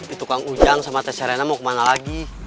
itu kang ujang sama tess serena mau kemana lagi